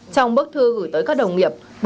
trong bức thư gửi tới các đồng nghiệp